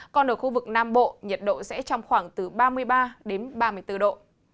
còn ở khu vực nam bộ nhiệt độ sẽ trong khoảng từ ba mươi ba đến ba mươi bốn độ